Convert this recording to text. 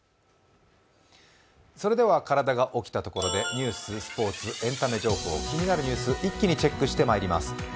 体が起きたところでニュース、スポーツ、エンタメ情報気になるニュース、一気にチェックしてまいります。